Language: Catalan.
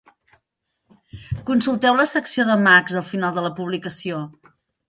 Consulteu la secció d'Emacs al final de la publicació.